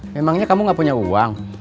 memangnya kamu gak punya uang